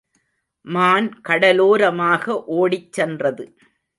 மான் கடலோரமாக ஓடிச் சென்றது.